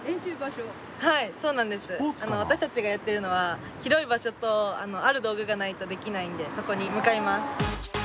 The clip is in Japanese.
私たちがやってるのは広い場所とある道具がないとできないのでそこに向かいます。